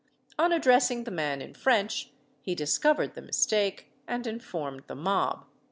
On addressing the man in French he discovered the mistake, and informed the mob.